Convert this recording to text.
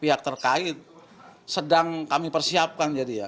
pihak terkait sedang kami persiapkan jadi ya